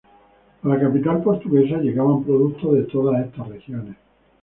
A la capital portuguesa llegaban productos de todas estas regiones.